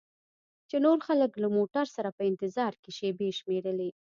چې نور خلک له موټر سره په انتظار کې شیبې شمیرلې.